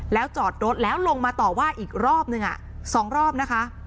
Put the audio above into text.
แล้วจอดรถแล้วลงมาต่อว่าอีกรอบนึง๒รอบนะคะ